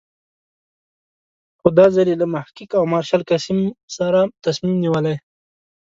خو دا ځل یې له محقق او مارشال قسیم سره تصمیم نیولی.